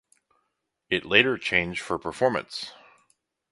it later changed for performance